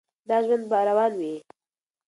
دا ژوند به روان وي.